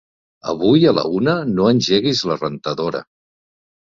Avui a la una no engeguis la rentadora.